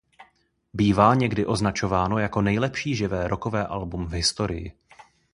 Bývá někdy označováno jako nejlepší živé rockové album v historii.